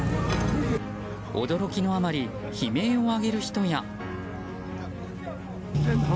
驚きのあまり悲鳴を上げる人や。